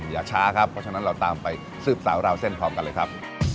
อย่าช้าครับเพราะฉะนั้นเราตามไปสืบสาวราวเส้นพร้อมกันเลยครับ